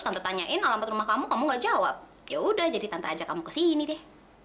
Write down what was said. tanya in alamat rumah kamu kamu nggak jawab ya udah jadi tante ajak kamu ke sini deh